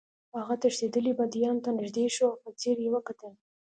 هغه تښتېدلي بندیانو ته نږدې شو او په ځیر یې وکتل